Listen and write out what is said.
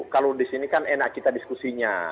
kalau di sini kan enak kita diskusinya